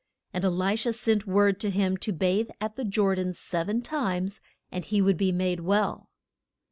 And E li sha sent word to him to bathe at the Jor dan sev en times, and he would be made well.